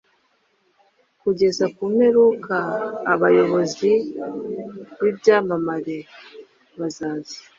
Kugeza ku mperuka abayobozi bibyamamare bazaza